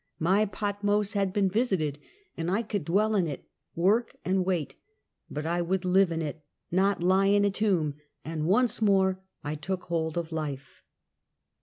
My Patmos had been visited and I could dwell in it, work and wait; but I would live in it, not lie in a tomb, and once more I took hold of life.